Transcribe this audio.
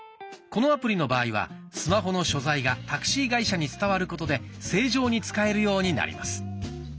このアプリの場合はスマホの所在がタクシー会社に伝わることで正常に使えるようになります。